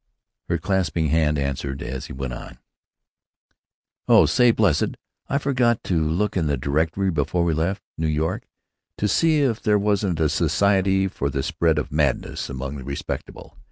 Her clasping hand answered, as he went on: "Oh, say, bles sed! I forgot to look in the directory before we left New York to see if there wasn't a Society for the Spread of Madness among the Respectable.